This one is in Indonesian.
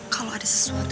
kalau ada sesuatu